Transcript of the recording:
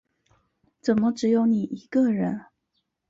怎么只有你一个人